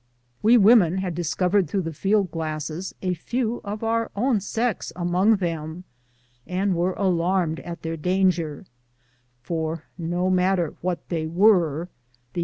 We women had discovered through the field glasses a few of our own sex among them, and were alarmed at their danger ; for no matter what they were, the BREAKING UP OF THE MISSOURI.